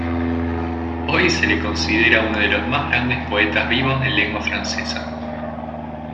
Hoy se le considera uno de los más grandes poetas vivos de lengua francesa.